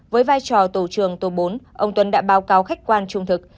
với vai trò tổ trường tổ bốn ông tuấn đã báo cáo khách quan trung thực